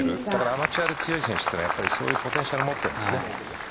アマチュアで強い選手はそういうポテンシャルを持っているんですね。